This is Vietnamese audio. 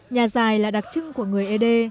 nhà dài là đặc trưng của người ấy đê